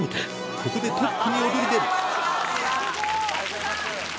ここでトップに躍り出るさすが！